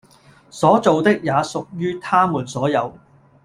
所造的也屬於它們所有